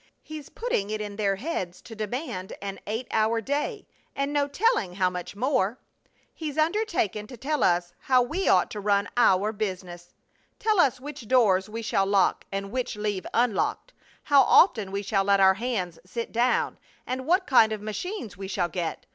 He's putting it in their heads to demand an eight hour day, and no telling how much more! He's undertaken to tell us how we ought to run our business! Tell us which doors we shall lock and which leave unlocked, how often we shall let our hands sit down, and what kind of machines we shall get!